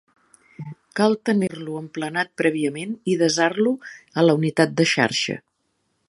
Cal tenir-lo emplenat prèviament i desar-lo a la unitat de xarxa.